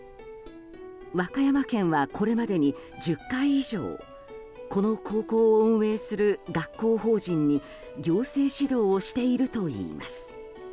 和歌山県はこれまでに１０回以上この高校を運営する学校法人に行政指導をしているといいます。